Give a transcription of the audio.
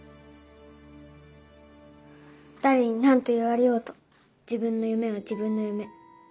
誰に何と言われようと自分の夢は自分の夢。